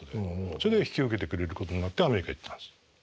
それで引き受けてくれることになってアメリカ行ったんです。